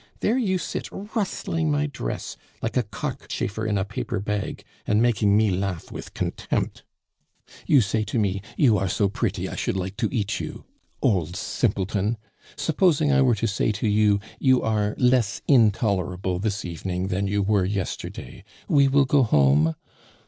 There you sit rustling my dress like a cockchafer in a paper bag, and making me laugh with contempt. You say to me, 'You are so pretty, I should like to eat you!' Old simpleton! Supposing I were to say to you, 'You are less intolerable this evening than you were yesterday we will go home?